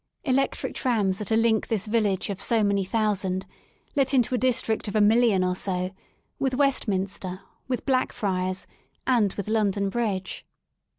Elec tric trams are to link this village of so many thousand, let into a district of a million or so, with Westminster, with Blackfriars, and with London Bridge.